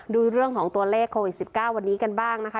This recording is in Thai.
ดูเรื่องของตัวเลขโควิด๑๙วันนี้กันบ้างนะคะ